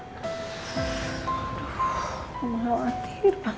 aduh aku malu hati